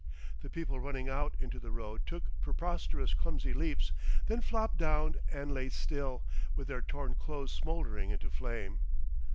The people running out into the road took preposterous clumsy leaps, then flopped down and lay still, with their torn clothes smouldering into flame.